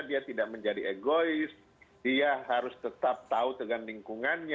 dia tidak menjadi egois dia harus tetap tahu tentang lingkungannya